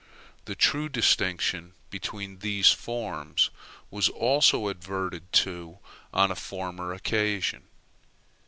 The true distinction between these forms was also adverted to on a former occasion.